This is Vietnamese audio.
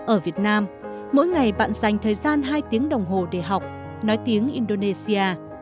ở việt nam mỗi ngày bạn dành thời gian hai tiếng đồng hồ để học nói tiếng indonesia